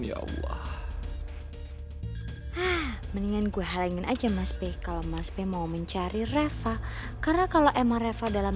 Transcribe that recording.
ya allah mendingan gue halengin aja mas p kalau mas p mau mencari reva karena kalau emang reva dalam